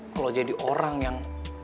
kalo jadi orang yang